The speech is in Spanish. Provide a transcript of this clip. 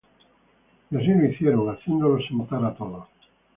Y así lo hicieron, haciéndolos sentar á todos.